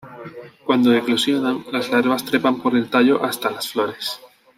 Cuando eclosionan, las larvas trepan por el tallo hasta las flores.